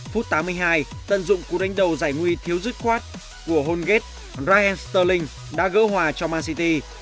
phút tám mươi hai tận dụng của đánh đầu giải nguy thiếu rứt quát của holngate raheem sterling đã gỡ hòa cho man city